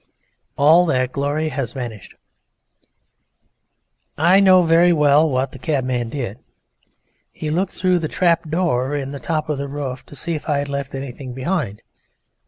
All that glory has vanished. I know very well what the cabman did. He looked through the trap door in the top of the roof to see if I had left anything behind.